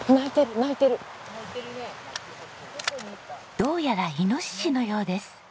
どうやらイノシシのようです。